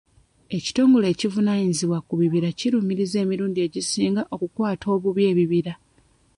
Ekitongole ekivunaanyizibwa ku bibira kirumirizibwa emirundi egisinga okukwata obubi ebibira.